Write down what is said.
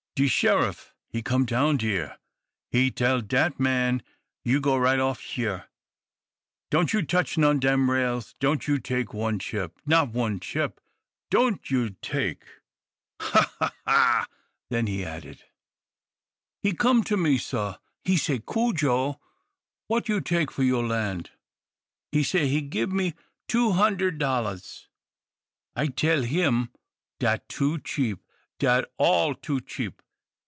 "De sheriff, he come down dere. He tell dat man, 'You go right off he'yr. Don't you touch none dem rails. Don't you take one chip, not one chip. Don't you take' Haw, haw, haw!" Then he added, "He come to me, sah: he say, 'Cudjo, what you take for your land?' He say he gib me two hunder dollars. I tell him, 'Dat too cheap; dat all too cheap.'